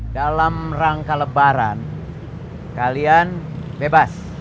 dalam rangka lebaran kalian bebas